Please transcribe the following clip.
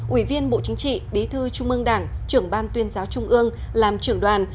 ủy viên bộ chính trị bí thư trung ương đảng trưởng ban tuyên giáo trung ương làm trưởng đoàn